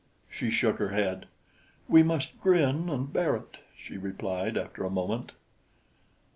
She shook her head. "We must grin and bear it," she replied after a moment.